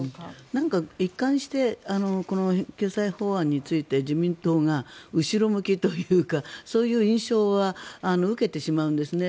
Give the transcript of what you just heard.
なんか一貫してこの救済法案について自民党が後ろ向きというかそういう印象は受けてしまうんですね。